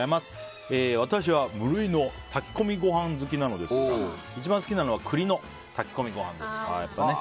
私は無類の炊き込みご飯好きなのですが一番好きなのは栗の炊き込みご飯です。